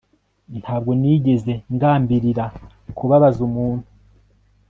Ntabwo nigeze ngambirira kubabaza umuntu